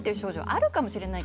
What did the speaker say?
あるかもしれない。